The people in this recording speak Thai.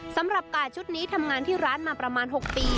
สำหรับกาดชุดนี้ทำงานที่ร้านมาประมาณ๖ปี